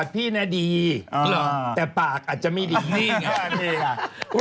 พี่นะดีแต่ปากอาจจะไม่ดีนิ่ง